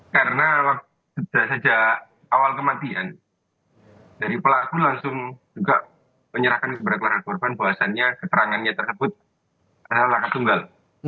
karena sudah sejak awal kematian dari pelaku langsung juga menyerahkan kepada keluarga korban bahwasannya keterangannya tersebut adalah laka tunggal